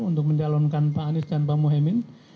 untuk menjalankan pak anies dan pak mohemin